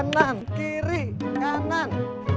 kanan kiri kanan kiri kanan